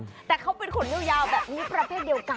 แต่เขาเป็นขนยาวแบบนี้ประเภทเดียวกัน